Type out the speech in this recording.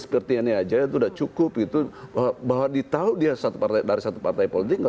seperti ini aja udah cukup gitu bahwa ditahu dia satu partai dari satu partai politik